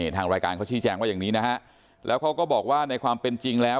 ทางรายการเขาชี้แจงว่าอย่างนี้นะฮะแล้วเขาก็บอกว่าในความเป็นจริงแล้ว